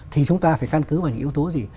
thì chúng ta phải căn cứ vào những yếu tố gì